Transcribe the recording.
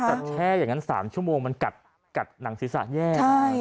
แช่อย่างนั้น๓ชั่วโมงมันกัดหนังศีรษะแย่